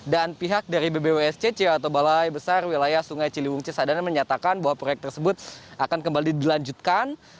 dan pihak dari bbwsc ciawato balai besar wilayah sungai ciliwung cisadana menyatakan bahwa proyek tersebut akan kembali dilanjutkan